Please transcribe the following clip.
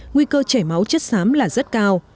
nguy cơ chảy máu chất xám là rất cao